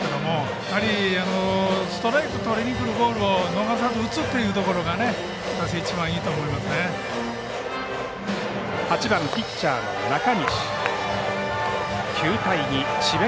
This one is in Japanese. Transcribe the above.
やはりストライクをとりにくるボールを逃さずに打つというところが８番ピッチャーの中西９対２智弁